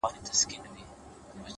هره هڅه د شخصیت برخه جوړوي؛